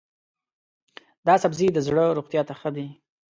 دا سبزی د زړه روغتیا ته ښه دی.